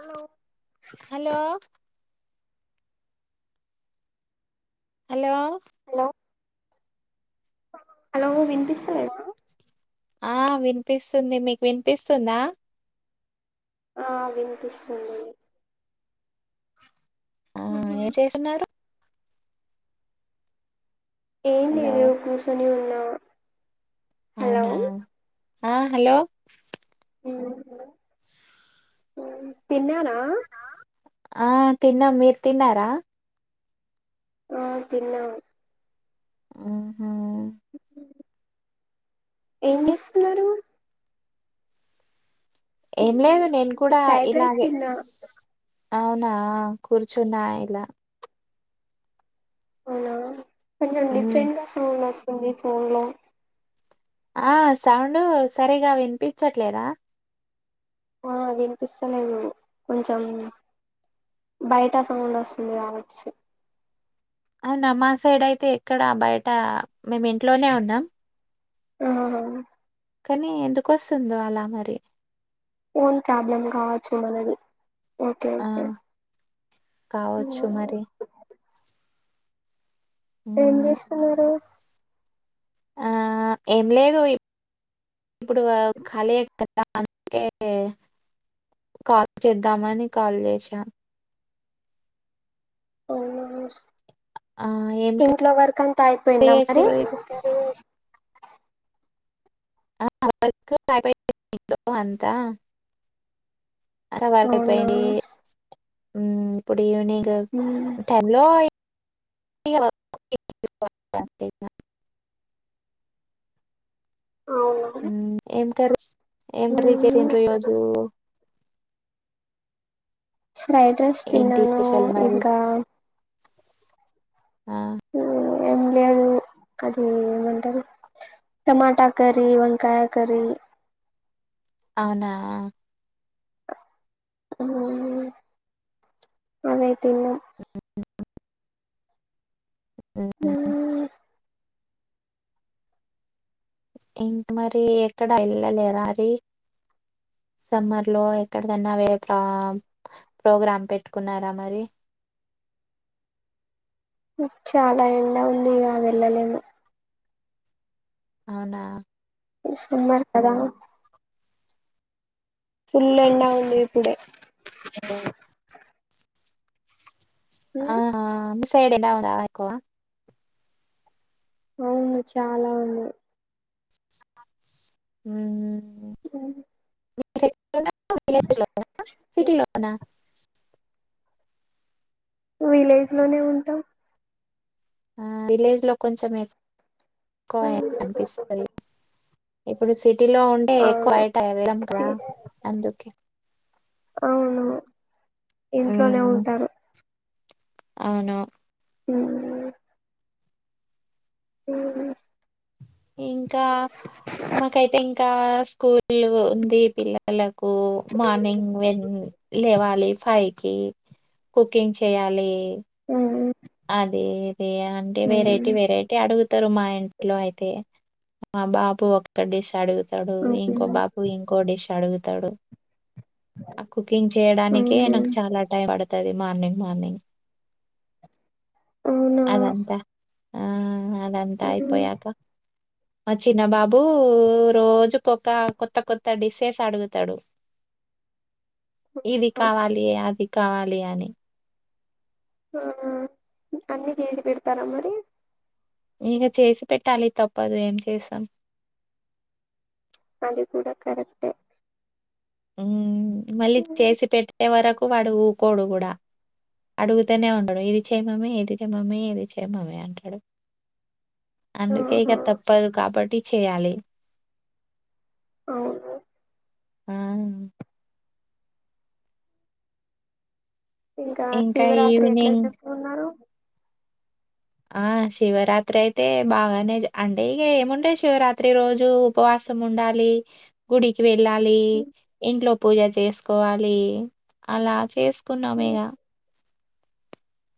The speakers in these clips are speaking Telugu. Hello hello hello hello hello వినిపిస్త లేదా ఆ వినిపిస్తుంది మీకు వినిపిస్తుందా ఆ వినిపిస్తుంది ఆ ఏం చేస్తున్నారు ఏం హలో లేదు కూర్చొని ఉన్నా హలో అవునా ఆ హలో ఉ [inaudible] తిన్నారా ఆ తిన్నాం మీరు తిన్నారా ఆ తిన్నాం ఆ ఏం చేస్తున్నారు ఏం లేదు నేను కూడా ఫ్రైడ్ రైస్ ఇలాగే తిన్నా అవునా కుర్చొన్న ఇలా అవునా కొంచెం మ్మ్ డిఫరెంట్ గా సౌండ్ వస్తుంది ఫోన్ లో ఆ సౌండ్ సరిగా వినిపించట్లేదా ఆ వినిపిస్తలేదు కొంచెం బయట సౌండ్ వస్తుంది కావచ్చు అవునా మా సైడ్ అయితే ఎక్కడ బయట మేము ఇంట్లోనే ఉన్నాం అవునా కానీ ఎందుకు వస్తుందో అలా మరి ఫోన్ ప్రాబ్లమ్ కావచ్చు మనది ఓకే ఆ ఓకే కావచ్చు మరి ఏం మ్మ్ చేస్తున్నారు ఆ ఏం లేదు ఇప్పుడు ఖాళీయే కదా అందుకే కాల్ చేద్దామని కాల్ చేసా అవునా ఆ! ఏం ఇంట్లో వర్క్ అంతా కర్రీ అయిపోయిందా మరి చేసిర్రు ఈరోజు? ఆ వర్క్ అయిపోయింది అంతా అలా వర్క్ అవునా అయిపోయింది ఇప్పుడు ఈవినింగ్ ఉమ్ టైం లో [unintelligible] [inaudible] అవును ఏం కర్రీ ఏం కర్రీ ఉమ్ చేసిర్రు ఈరోజు ఫ్రైడ్ రైస్ ఏంటి తిన్నాను స్పెషల్ మరి? ఇంకా ఆ ఏం లేదు అది ఏమంటారు టమాటా కర్రీ, వంకాయ కర్రీ అవునా ఆ అవే తిన్నం హ్మ్ ఏంటి మరి ఎక్కడ వెళ్ళలేరా అరి సమ్మర్ లో ఎక్కడికైన్నా వేరే ప్ర ప్రోగ్రామ్ పెట్టుకున్నారా మరి హ్మ్ చాలా ఎండ ఉంది ఇగ వెళ్ళలేము అవునా సమ్మర్ కదా ఫుల్ ఎండా ఉంది ఇప్పుడే ఆ ఉమ్, హ మీ సైడ్ ఎండ ఉందా ఎక్కువ అవును చాలా ఉంది హ్మ్ హు అ [inaudible] సిటీలోనా విలేజ్ లోనే ఉంటాం ఆ విలేజ్ లో కొంచం ఎక్కువ ఎండ ఉమ్, అనిపిస్తది ఇప్పుడు సిటీలో ఉంటే ఎక్కువ అవును బయట వెళ్ళాం కదా సి- అందుకే అవును ఇంట్లోనే మ్మ్ ఉంటారు అవును హ్మ్ హ్మ్ ఇంకా మాకైతే ఇంకా స్కూల్ ఉంది పిల్లల కు మార్నింగ్ వెన్ లేవాలి ఫైవ్ కి కుకింగ్ చేయాలి అది ఇది అంటే వెరైటీ వెరైటీ అడుగు వతరు మా ఇంట్లో అయితే మా బాబు ఒక్కడిష్ అడుగు తడు ఇంకో బాబు ఇంకో డిష్ అడుగుతాడు ఆ కుకింగ్ చేయడానికే నాకు చాలా టైం పడ్ తది మార్నింగ్ మార్నింగ్ అవునా అదంతా ఆ! అదంతా అయిపోయాక ఆ చిన్న బాబు రోజుకొక కొత్త కొత్త డిసెస్ అడుగుతాడు ఇది కావాలి అది కావాలి అని ఆ అన్ని చేసి పెడతారా మరి ఇగ చేసి పెట్టాలి తప్పదు ఏం చేసాం అది కూడా కరెక్టే హ్మ్ మళ్ళీ చేసి పెట్టే వరకు వాడు ఊకోడు కూడా అడుగుతనే ఉండడు ఇది చెయ్ మమ్మీ ఇది చెయ్ మమ్మీ ఇది మమ్మీ అంటాడు అందుకే ఇగ ఆహా తప్పదు కాబట్టి చేయాలి అవును ఆ ఇంకా శివరాత్రి ఎట్లా జరుపుకున్నారు ఆ శివరాత్రి అయితే బాగానే అంటే ఇగ ఏముంటాయ్ శివరాత్రి రోజు ఉపవాస్ సం ఉండాలి గుడికి వె వెళ్ళాలి ఇంట్లో పూజ చేసుకోవాలి అలా చేస్ కున్నం ఇగ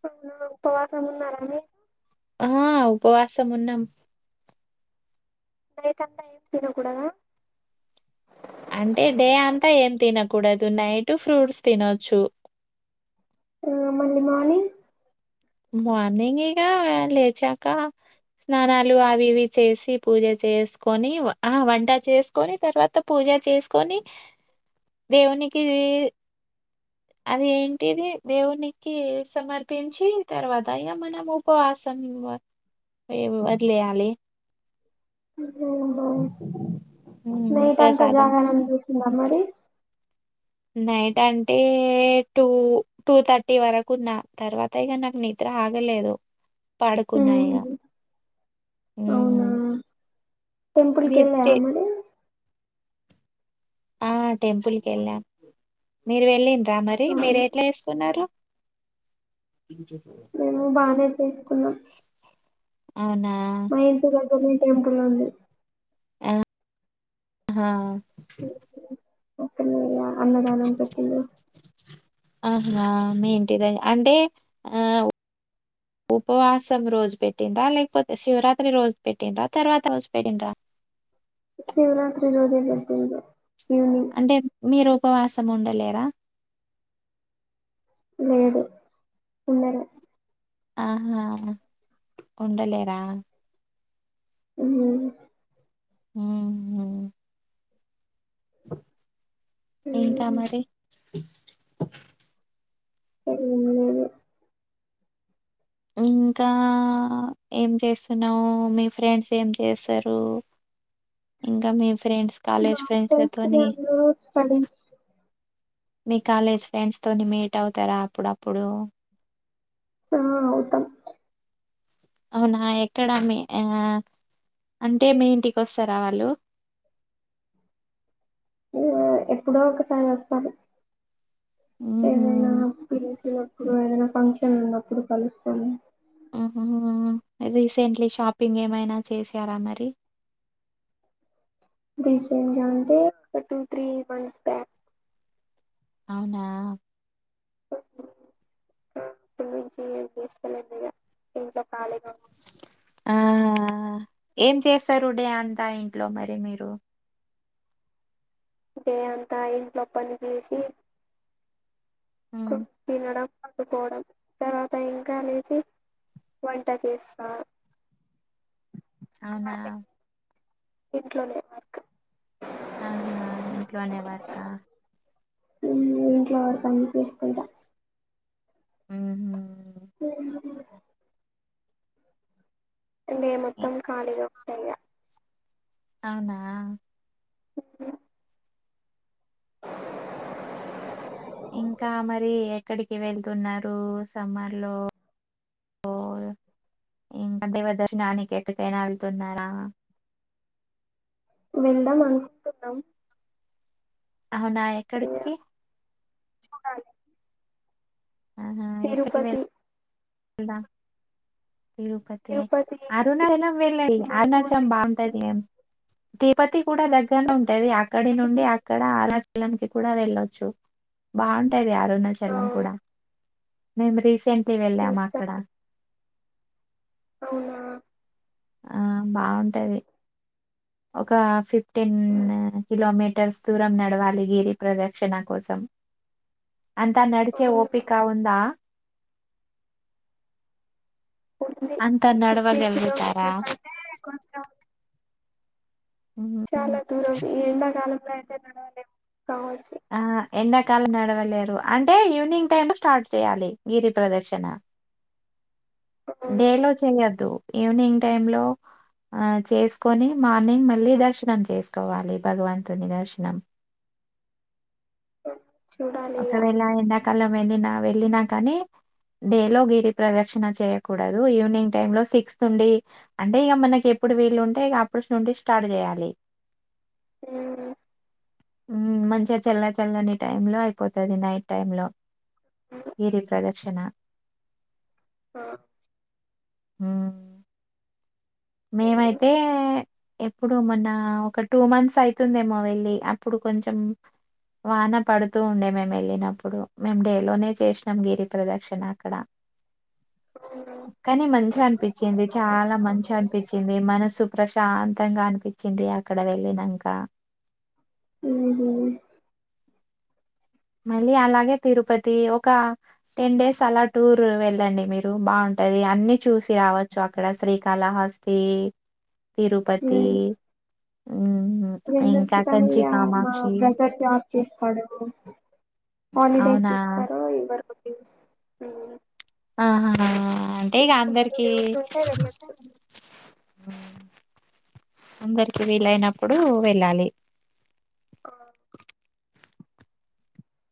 అవునా ఉపవాసం ఉన్నారా మీర్ ఆ ఉపవాసమున్నాం నైట్ అంత ఏం తినకూడదా అంటే డే అంతా ఏం తినకూడదు నైటు ఫ్రూట్స్ తినొచ్చు ఆ మళ్ళీ మార్నింగ్ మార్నింగ్ ఏ గా లేచాక స్నానాలు అవి ఇవి చేసి పూజ చేసుకొని ఆహ వంట చేసుకొని తర్వాత పూజ చేసుకొని దేవునికి అది ఏంటిది దేవునికి సమర్పించి తర్వాత ఇక మనం ఉపవాసం ఇంగ వ వదిలేయాలి ఉహు ఉమ్, నైట్ అంతా ప్రసాదం జాగారం చేసిండ్రా మరి నైట్ అంటే టూ టూథర్టీ వరకు ఉన్న తర్వాత ఇక నాకు నిద్ర ఆగలేదు పడుకున్న ఇగా ఉమ్, ఊ అవునా టెంపుల్ కి వెళ్ళారా మరి ఆ టెంపుల్ కి ఎళ్ళా మీరు వెళ్ళిండ్రా మరి మీరు అవును ఎట్లా చేసుకున్నారు మేము బానే చేసుకున్నాం అవునా మా [unintelligible] టెంపుల్ ఉంది ఆహ్ హా అక్కడే అన్నదానం పెట్టిళ్ళు అవునా మీ ఇంటిదగ్గర అంటే ఆహ్ ఉపవాసం రోజు పెట్టిండ్ర లేకపోతే శివరాత్రి రోజు పెట్టిండ్ర తర్వాత రోజు పెట్టిండ్ర శివరాత్రి రోజే పెట్టిండు ఈవినింగ్ అంటే మీరు ఉపవాసం ఉండలేరా లేదు ఉండను ఆహా ఉండలే రా హు హు ఉహు ఇంకా మరి ఏం లేదు హు ఇంకా ఏం చేస్తున్నావు మీ ఫ్రెండ్స్ ఏం చేస్తారు ఇంకా మీ ఫ్రెండ్స్ మా కాలేజ్ ఫ్రెండ్స్ ఫ్రెండ్స్లతోని అందరూ స్టడీస్ మీ కాలేజ్ ఫ్రెండ్స్ తోని మీట్ అవుతారా అప్పుడప్పుడు ఆ అవుతాం అవునా ఎక్కడ మీ ఆ అంటే మీ ఇంటికి వస్తారా వాళ్ళు ఆ ఎప్పుడో ఒకసారి వస్తరు హుహు. ఏదైనా పిలిచినప్పుడు ఏదైనా ఫంక్షన్లు ఉన్నప్పుడు కలుస్తము ఆహా రీసెంట్లీ షాపింగ్ ఏమైనా చేసారా మరి రీసెంట్ గా అంటే ఒక టూ త్రీ మంత్స్ బ్యాక్ అవునా [inaudible] కాళిగా ఆ ఏం చేస్తారు డే అంతా ఇంట్లో మరి మీరు డే అంతా ఇంట్లో పని చేసి ఉమ్ తినడం పండుకోవడం తర్వాత ఆతా ఇంకా లేసి వంట చేస్తా అలా అవునా ఇంట్లోనే వర్క్ ఆహా ఇంట్లోనే వర్క ఇంట్లో వర్క్ పని చేసుకుంటా ఆహా డే ఇ మొత్తం ఖాళీగా ఉంట ఇగ అవునా ఇంకా మరి ఎక్కడికి వెళ్తున్నారు సమ్మర్ లో? ఓ ఇంకా దేవ దర్శనానికి ఎక్కడికైనా వెళ్తున్నారా? వెళ్దాం అనుకుంటున్నాం. అవునా ఇగ ఎక్కడికి? చూడాలి తిరుపతి. అందా తిరుపతి, అరుణాచలం వెళ్లండి. మొక్కు అరుణాచలం ఉంది బాగుంటది కదా. తిరుపతి కూడా దగ్గరనే ఉంటది, అక్కడి నుండి అక్కడ ఆరాచలంకి కూడా వెళ్ళొచ్చు. బాగుంటాది అరుణచలం అవును కూడా, మేము రీసెంట్లీ వెళ్ళాము చూస్తా అక్కడ. అవునా ఆ బాగుంటది, ఒక ఫిఫ్టీన్ కిలోమీ మీటర్స్ దూరం నడవాలి గిరి ప్రదక్షిణ కోసం. అంతా నడిచే అవునా ఓపిక ఉందా? ఉంది అంత ఫిఫ్టీన్ నడవగలుగుతారా? కిలోమీటర్స్ అంటె కొంచం హ్మ్. చాలా దూరం ఈ ఎళ్ళ కాలంలో అయితే నడవలేం. ఆ ఎండ కాలం నడవ లేరు అంటే ఈవినింగ్ టైమ్ స్టార్ట్ చేయాలి, గిరి ప్రదర్శన డే ఉమ్, లో చేయొద్దు, ఈవినింగ్ టైమ్ లో ఆ చేసుకొని మార్నింగ్ మళ్ళీ దర్శనం చేసుకోవాలి, భగవంతుని దర్శనం. చూడాలి ఇగ ఒకవేళ ఎండాకాలం వెళ్ళినా వెళ్ళినా కానీ డేలో గిరి ప్రదక్షణ చేయ్యకూడదు, ఈవినింగ్ టైమ్ లో సిక్స్త్ ఉండి, అంటే ఇక మనకిగ ఎప్ ఎప్పుడు వీలు ఉంటే ఇగ అప్పుడు నుండి స్టార్ట్ చేయ్యాలి. ఉమ్ ఉమ్ మంచిగా చల్ల చల్లని టైం లో అయిపోతది, నైట్ టైమ్ లో గిరి ప్రదక్షణ ఆ ఉమ్ మేమైతే ఎప్పుడు మొన్న ఒక టూ మంత్స్ అయితుందేమో వెళ్ళి, అప్పుడు కొంచం వాన పడుతూ ఉండే మేము వెళ్ళినప్పుడు, మేము డేలోనే చేసినం గిరి ప్రదక్షణ అక్కడ. కని మంచిగా అనిపించింది చాలా మంచిగ అని మనసు ప్రశాంతంగా అనిపించింది అక్కడ వెళ్ళినంక. ఉహు మళ్ళీ అలాగే తిరుపతి, ఒక టెన్ డేస్ అలా టూర్ వెళ్ళండి మీరు బాగుంట ఉంటది అన్ని చూసి రావచ్చు అక్కడ శ్రీకాళహస్తి. తిరుపతి హ్మ్ వెళ్ళొచ్చు ఇంకా కానీ కంచి ఇగ మా కామాక్షి బ్రజర్ డ్రాప్ చేస్తాడు. హాలిడేస్ అవునా ఇస్తరో ఇవ్వరో ఆహా అంటే ఇగ అందరికి లీవ్స్ ఉంటే వెళ్ళొచ్చు అందరికి వీలైనప్పుడు వెళ్ళాలి. ఆ